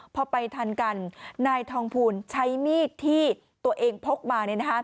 พอไปทันกันนายทองภูลใช้มีดที่ตัวเองพกมา